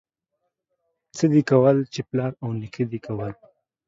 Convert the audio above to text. څه دي کول، چې پلار او نيکه دي کول.